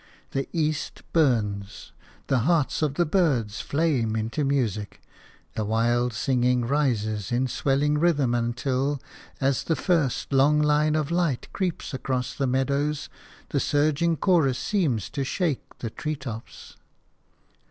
The east burns; the hearts of the birds flame into music; the wild singing rises in a swelling rhythm until, as the first long line of light creeps across the meadows, the surging chorus seems to shake the treetops.